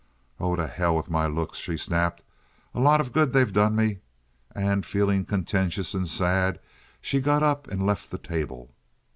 "Oh, to hell with my looks!" she snapped. "A lot of good they've done me." And, feeling contentious and sad, she got up and left the table.